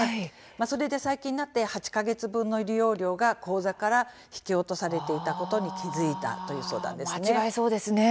それで最近になって８か月分の利用料金が口座から引き落とされていたことに気付いたということです。